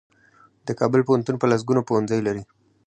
د کابل پوهنتون په لسګونو پوهنځۍ لري.